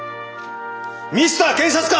ミスター検察官！